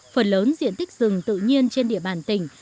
phần lớn diện tích rừng tự nhiên trên địa bàn tỉnh